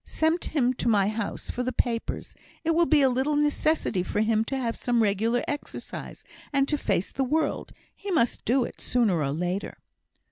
"Send him to my house for the papers. It will be a little necessity for him to have some regular exercise, and to face the world. He must do it, sooner or later."